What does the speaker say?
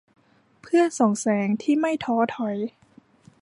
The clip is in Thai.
เพื่อส่องแสงที่ไม่ท้อถอย